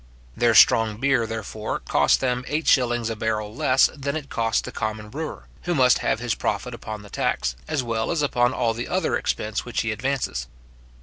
Their strong beer, therefore, costs them eight shillings a barrel less than it costs the common brewer, who must have his profit upon the tax, as well as upon all the other expense which he advances.